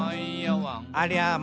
「ありゃま！